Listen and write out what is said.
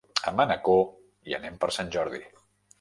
A Manacor hi anem per Sant Jordi.